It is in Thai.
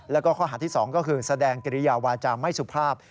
แล้วก็ข้อหาที่๒ก็คือแสดงกิริยาวาจาไม่สุภาพ